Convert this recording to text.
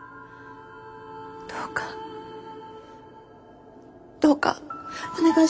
どうかどうかお願いします。